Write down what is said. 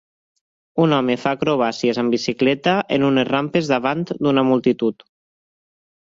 Un home fa acrobàcies amb bicicleta en unes rampes davant d'una multitud.